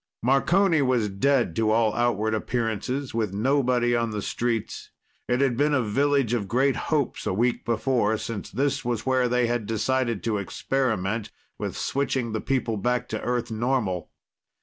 Marconi was dead to all outward appearances, with nobody on the streets. It had been a village of great hopes a week before, since this was where they had decided to experiment with switching the people back to Earth normal.